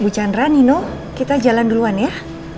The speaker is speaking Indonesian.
bu chandra nih nuh kita jalan duluan ya